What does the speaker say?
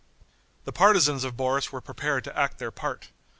The partisans of Boris were prepared to act their part.